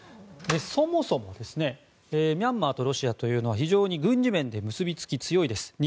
そもそもミャンマーとロシアは、非常に軍事面で結びつきが強いです。